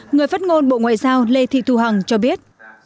người phát ngôn bộ ngoại giao lê thị thu hằng cho biết